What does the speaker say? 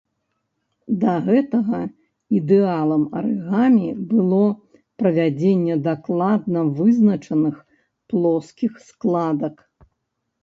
Да гэтага ідэалам арыгамі было правядзенне дакладна вызначаных плоскіх складак.